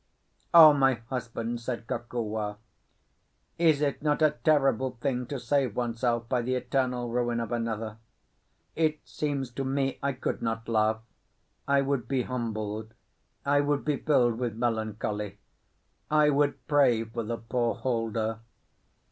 "O my husband!" said Kokua. "Is it not a terrible thing to save oneself by the eternal ruin of another? It seems to me I could not laugh. I would be humbled. I would be filled with melancholy. I would pray for the poor holder."